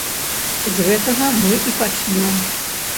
З гэтага мы і пачнём.